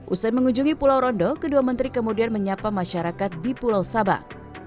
usai mengunjungi pulau rondo kedua menteri kemudian menyapa masyarakat di pulau sabang